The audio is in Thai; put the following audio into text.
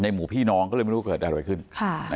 หมู่พี่น้องก็เลยไม่รู้เกิดอะไรขึ้น